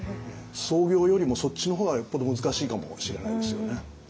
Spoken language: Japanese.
創業よりもそっちの方がよっぽど難しいかもしれないですよね。